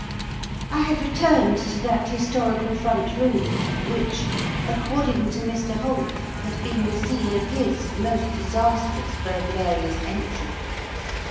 I had returned to that historical front room which, according to Mr Holt, had been the scene of his most disastrous burglarious entry.